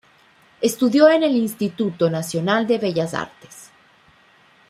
Estudió en el Instituto Nacional de Bellas Artes.